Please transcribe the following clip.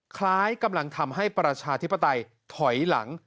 คล้ายกำลังทำให้ประชาธิปไตยถอยหลัง